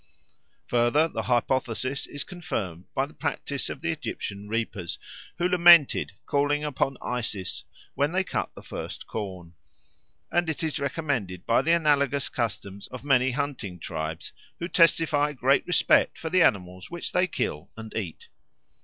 Further, the hypothesis is confirmed by the practice of the Egyptian reapers, who lamented, calling upon Isis, when they cut the first corn; and it is recommended by the analogous customs of many hunting tribes, who testify great respect for the animals which they kill and eat.